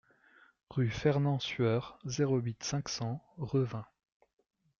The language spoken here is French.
Rue Fernand Sueur, zéro huit, cinq cents Revin